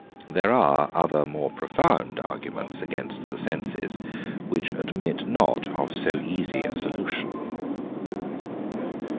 There are other more profound arguments against the senses, which admit not of so easy a solution.